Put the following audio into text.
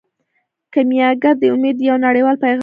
کیمیاګر د امید یو نړیوال پیغام دی.